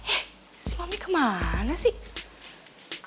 eh si mami kemana sih